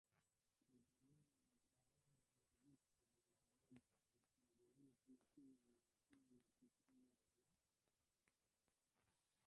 Tanzania wanakumbana na visa vya Mauaji na mashambulizi lakini Unyapaa na kutengwa na